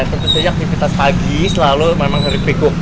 tentu saja aktivitas pagi selalu memang sering berpikir